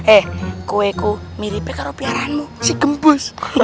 eh kau mirip karusunanmu si gembus